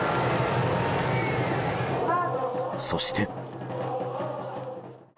そして。